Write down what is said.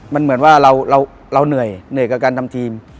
มันเหมือนว่าเราเหนื่อยเหนื่อยกับการทำทีม